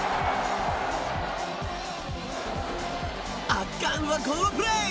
圧巻は、このプレー。